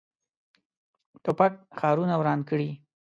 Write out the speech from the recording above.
توپک ښارونه وران کړي.